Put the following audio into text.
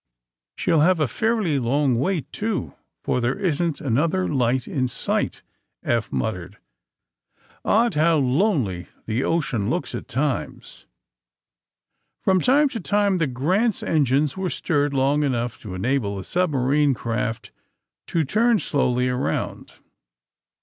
'' She '11 have a fairly long wait, too, for there isn't another light in sight," Eph muttered. "Odd how lonely the ocean looks at times." From time to time the "Grant's" engines were stirred long enough to enable the subma rine craft to turn slowly around.